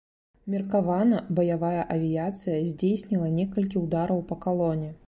Меркавана, баявая авіяцыя здзейсніла некалькі удараў па калоне.